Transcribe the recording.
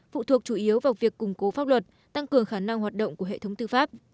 phụ thuộc chủ yếu vào việc củng cố pháp luật tăng cường khả năng hoạt động của hệ thống tư pháp